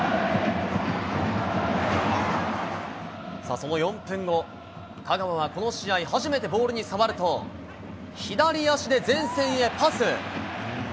その４分後、香川はこの試合、初めてボールに触ると、左足で前線へパス。